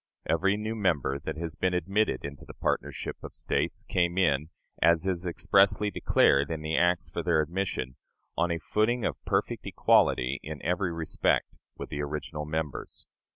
Every new member that has been admitted into the partnership of States came in, as is expressly declared in the acts for their admission, on a footing of perfect equality in every respect with the original members.